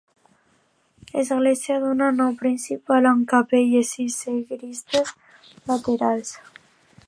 Església d'una nau principal amb capelles i sagristia laterals.